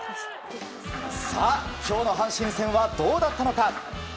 今日の阪神戦はどうだったのか。